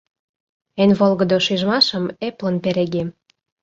Эн волгыдо шижмашым эплын перегем.